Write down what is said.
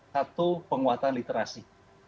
satu penguatan literasi